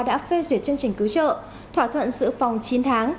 đã phê duyệt chương trình cứu trợ thỏa thuận giữ phòng chín tháng